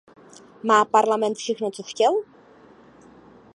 Má Parlament všechno, co chtěl?